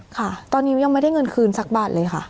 ค่ะตอนนี้ยังไม่ได้เงินคืนสักบาทเลยค่ะ